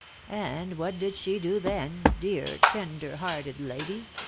And what did she do then, dear, tender hearted lady